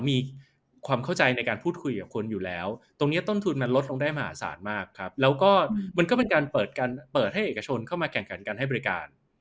มีความเข้าใจในการพูดคุยกับคนอยู่แล้วตรงนี้ต้นทุนมันลดลงได้มหาศาลมากครับแล้วก็มันก็เป็นการเปิดให้เอกชนเข้ามาแข่งขันการให้บริการ